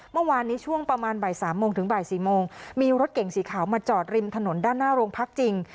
เมื่อวานนี้ช่วงประมาณบ่ายสามโมงถึงบ่าย๔โมงมีรถเก่งสีขาวมาจอดริมถนนด้านหน้าโรงพักจริง